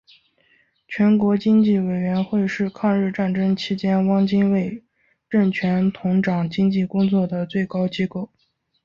全国经济委员会是抗日战争期间汪精卫政权统掌经济工作的最高机构。